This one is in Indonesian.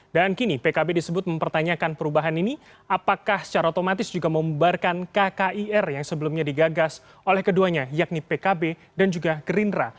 dan kini pkb disebut mempertanyakan perubahan ini apakah secara otomatis juga membuarkan kkir yang sebelumnya digagas oleh keduanya yakni pkb dan juga gerindra